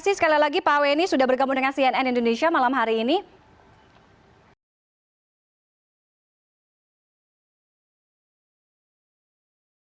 oke terima kasih pak wengi kita akan melihat bagaimana nanti hasil dari investigasi kemudian juga olah tempat kejadian perkara